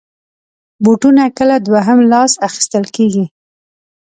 بوټونه کله دوهم لاس اخېستل کېږي.